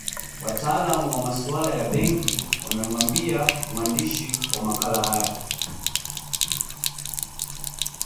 Wataalamu wa masuala ya benki wamemwambia mwandishi wa makala haya